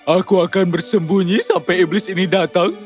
aku akan bersembunyi sampai iblis ini datang